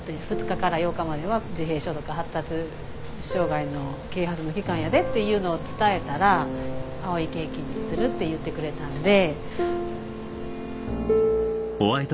「２日から８日までは自閉症とか発達障害の啓発の期間やで」っていうのを伝えたら「青いケーキにする」って言ってくれたんで。